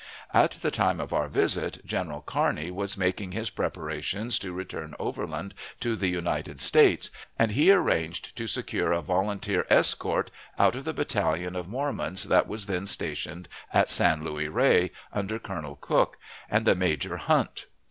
At the time of our visit, General Kearney was making his preparations to return overland to the United States, and he arranged to secure a volunteer escort out of the battalion of Mormons that was then stationed at San Luis Rey, under Colonel Cooke and a Major Hunt.